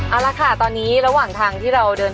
เอาละค่ะตอนนี้ระหว่างทางที่เราเดิน